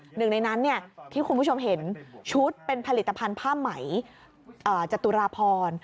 หนึ่งในนั้นที่คุณผู้ชมเห็นชุดเป็นผลิตภัณฑ์ผ้าไหมจตุราพร